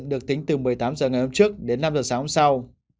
được tính từ một mươi tám h ngày hôm trước đến năm h sáng hôm sau